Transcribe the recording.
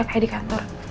kayak di kantor